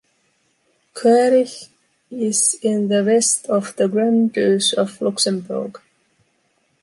Koerich is in the west of the Grand Duché of Luxembourg.